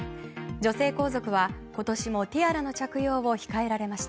女性皇族は今年もティアラの着用を控えられました。